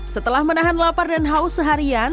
setelah menahan lapar dan haus seharian